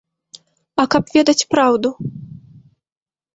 А каб ведаць праўду.